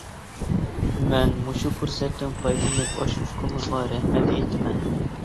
مەن مۇشۇ پۇرسەتتىن پايدىلىنىپ ئاشۇ ئۇكىمىزغا رەھمەت ئېيتىمەن.